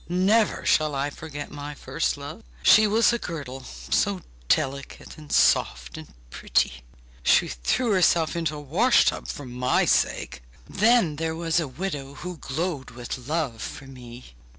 Never shall I forget my first love! She was a girdle, so delicate and soft and pretty! She threw herself into a wash tub for my sake! Then there was a widow, who glowed with love for me.